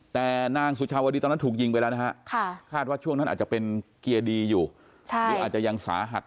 แต่นางสุชาวดีตอนนั้นถูกยิงไปแล้วนะฮะคาดว่าช่วงนั้นอาจจะเป็นเกียร์ดีอยู่หรืออาจจะยังสาหัส